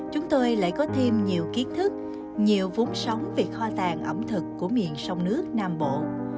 chúng tôi lại có thêm nhiều kiến thức nhiều vốn sống vì kho tàng ẩm thực của miền sông nước nam bộ